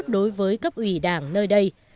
đối với cấp ủy đảng nơi đây